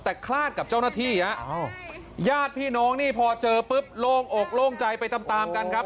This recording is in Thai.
แต่คลาดกับเจ้าหน้าที่ฮะญาติพี่น้องนี่พอเจอปุ๊บโล่งอกโล่งใจไปตามตามกันครับ